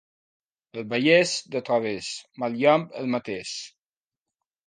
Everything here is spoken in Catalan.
El Vallès de través, mal llamp el matés.